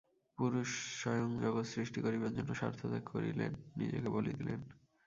পুরুষ স্বয়ং জগৎ সৃষ্টি করিবার জন্য স্বার্থত্যাগ করিলেন, নিজেকে বলি দিলেন।